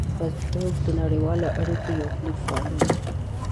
فېسبوک د نړیوالو اړیکو یو پلیټ فارم دی